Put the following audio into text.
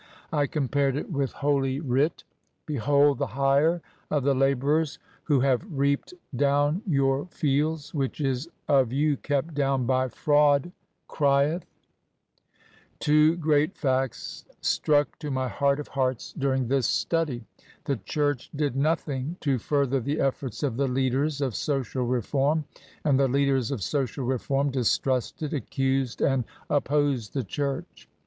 I compared it with Holy Writ. ' Behold the hire of the labourers who have reaped down your fields y which is of you kept down by frauds crieth r Two great facts struck to my heart of hearts during this study: — the church did nothing to further the efforts of the leaders of social reform, and the leaders of social reform distrusted, accused, and op posed the church.